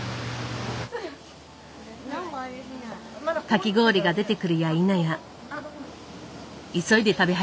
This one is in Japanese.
かき氷が出てくるや否や急いで食べ始めた。